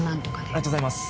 ありがとうございます